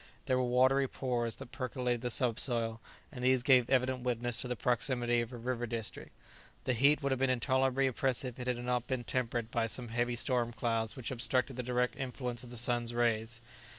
There were watery pores that percolated the subsoil, and these gave evident witness to the proximity of a river district. The heat would have been intolerably oppressive if it had not been tempered by some heavy storm clouds which obstructed the direct influence of the sun's rays.